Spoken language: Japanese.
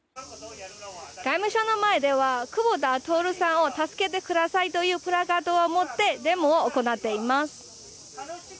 外務省の前では久保田徹さんを助けてくださいというプラカードを持ってデモを行っています。